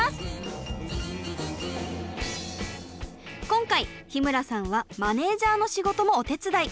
今回日村さんはマネージャーの仕事もお手伝い。